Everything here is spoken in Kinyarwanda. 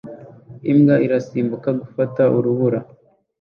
Imbwa irasimbuka gufata urubura